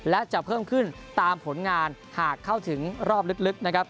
และจะเพิ่มขึ้นตามผลงานหากเข้าถึงรอบลึกนะครับ